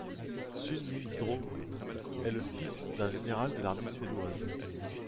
Sune Lindström est le fils d'un général de l'armée suédoise.